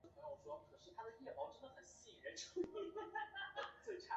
密枝猪毛菜为苋科猪毛菜属的植物。